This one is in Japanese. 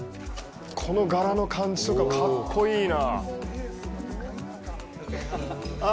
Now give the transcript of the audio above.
この柄の感じとか格好いいなあ。